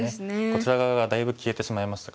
こちら側がだいぶ消えてしまいましたからね。